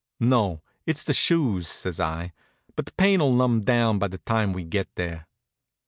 "No, it's the shoes," says I, "but the pain'll numb down by the time we get there."